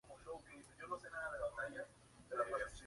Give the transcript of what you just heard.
Fue gobernador en representación del Partido Liberal.